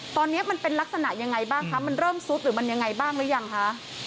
ตอนนี้มันเป็นลักษณะยังไงบ้างคะมันเริ่มซุดหรือมันยังไงบ้างหรือยังคะ